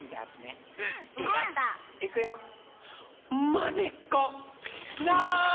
まねっこなんだ？